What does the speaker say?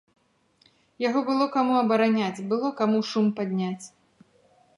Яго было каму абараняць, было каму шум падняць.